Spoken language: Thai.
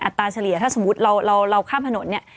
ตราเฉลี่ยถ้าสมมุติเราข้ามถนนเนี่ย